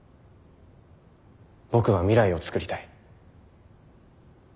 僕は未来を創りたい。